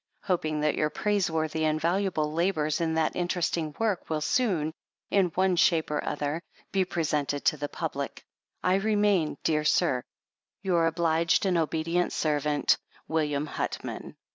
Hoping that your praiseworthy and valuable labors in that interesting work will soon, in one shape or other, be presented to the public, I remain, Dear Sir, Your obliged and ob't Serv't, Wm. Huttman.